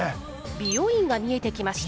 美容院が見えてきました。